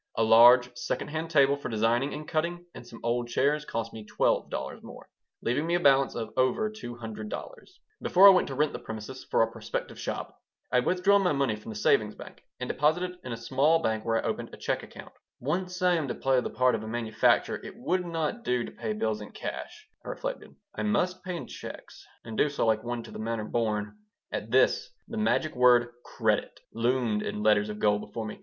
A large second hand table for designing and cutting and some old chairs cost me twelve dollars more, leaving me a balance of over two hundred dollars Before I went to rent the premises for our prospective shop I had withdrawn my money from the savings bank and deposited it in a small bank where I opened a check account "Once I am to play the part of a manufacturer it would not do to pay bills in cash," I reflected. "I must pay in checks, and do so like one to the manner born." At this the magic word "credit" loomed in letters of gold before me.